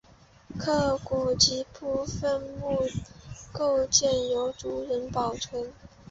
骸骨及部分墓构件由族人保存。